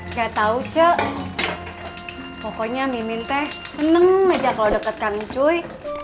gak tau c pokoknya mimin teh seneng aja kalo deketkan ucuy